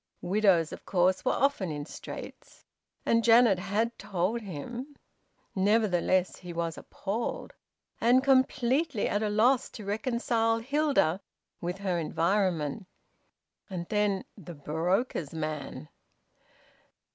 Widows, of course, were often in straits. And Janet had told him... Nevertheless he was appalled, and completely at a loss to reconcile Hilda with her environment. And then "the broker's man!"